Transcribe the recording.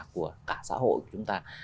của cả xã hội của chúng ta